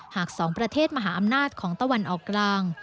หาก๒ประเทศมหาอำนาจของตะวันออกกลาง